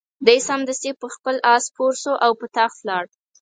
دی سمدستي پر خپل آس سپور شو او په تاخت ولاړ.